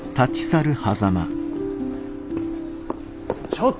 ちょっと！